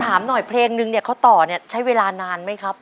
พ่อถามหน่อยเพลงนึงเขาต่อใช้เวลานานไหมครับ